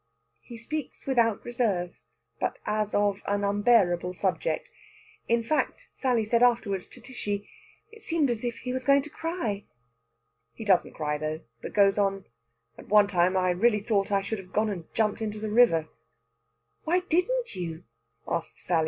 He speaks without reserve, but as of an unbearable subject; in fact, Sally said afterwards to Tishy, "it seemed as if he was going to cry." He doesn't cry, though, but goes on: "At one time I really thought I should have gone and jumped into the river." "Why didn't you?" asks Sally.